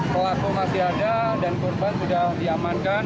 pelaku masih ada dan korban sudah diamankan